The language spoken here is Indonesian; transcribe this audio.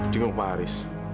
jenguk pak haris